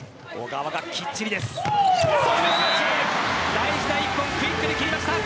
大事な一本をクイックで決めました。